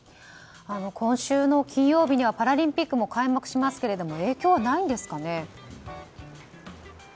今週の金曜日にはパラリンピックも開幕しますが影響はないんですかね。